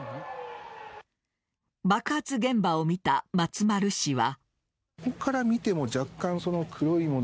爆発現場を見た松丸氏は。